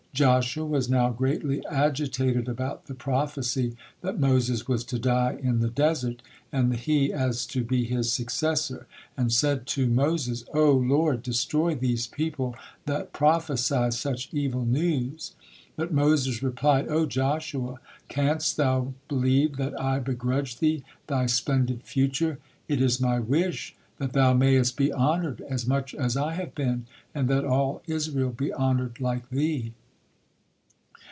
Joshua was now greatly agitated about the prophecy that Moses was to die in the desert and that he as to be his successor, and said to Moses: "O lord, destroy these people that prophesy such evil news!" But Moses replied: "O Joshua, canst thou believe that I begrudge thee thy splendid future? It is my wish that thou mayest be honored as much as I have been and that all Israel be honored like thee."